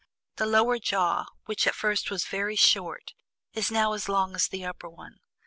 The lower jaw, which at first was very short, is now as long as the upper one.